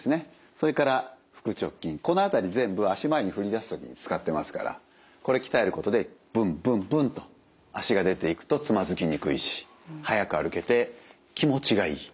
それから腹直筋この辺り全部足前に振り出す時に使ってますからこれ鍛えることでブンブンブンと足が出ていくとつまずきにくいしはやく歩けて気持ちがいい。